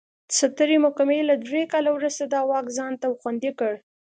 سترې محکمې له درې کال وروسته دا واک ځان ته خوندي کړ.